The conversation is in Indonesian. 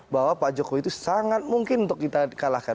bahwa pak jokowi itu sangat mungkin untuk kita kalahkan